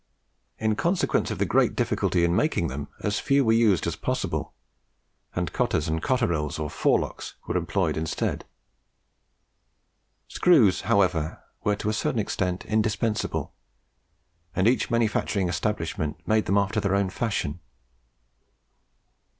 In consequence of the great difficulty of making them, as few were used as possible; and cotters, cotterils, or forelocks, were employed instead. Screws, however, were to a certain extent indispensable; and each manufacturing establishment made them after their own fashion.